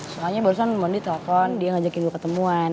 soalnya barusan temen di telepon dia ngajakin gue ketemuan